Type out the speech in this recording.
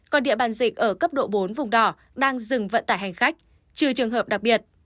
còn địa bàn dịch ở cấp độ bốn vùng đỏ đang dừng vận tải hành khách trừ trường hợp đặc biệt